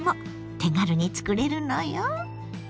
手軽に作れるのよ。